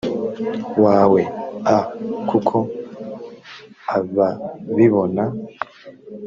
wawe a kuko ababibona